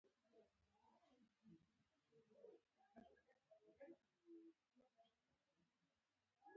• ملګری باید وفادار او صادق وي.